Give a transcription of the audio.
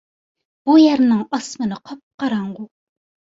بۇ يەرنىڭ ئاسمىنى قاپقاراڭغۇ.